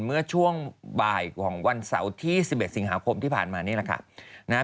เมื่อช่วงบ่ายของวันเสาร์ที่๑๑สิงหาคมที่ผ่านมานี่แหละค่ะนะฮะ